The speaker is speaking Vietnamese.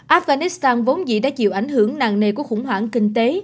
afghanistan vốn gì đã chịu ảnh hưởng nặng nề của khủng hoảng kinh tế